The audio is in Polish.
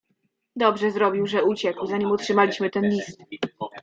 "Dobrze zrobił, że uciekł, zanim otrzymaliśmy ten list."